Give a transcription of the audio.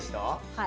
はい。